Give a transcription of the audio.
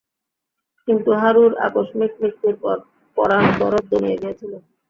কিন্তু হারুর আকস্মিক মৃত্যুর পর পরাণ বড় দমিয়া গিয়াছিল।